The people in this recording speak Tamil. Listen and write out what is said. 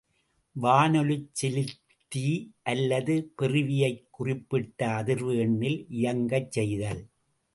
வானொலிச் செலுத்தி அல்லது பெறுவியைக் குறிப் பிட்ட அதிர்வு எண்ணில் இயங்கச் செய்தல்.